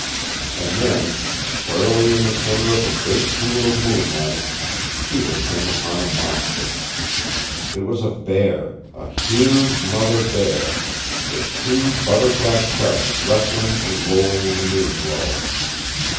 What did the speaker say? And then, squarely in the center of a great pool of moonlight, Peter came upon a monster. It was a bear, a huge mother bear, with two butter fat cubs wrestling and rolling in the moon glow.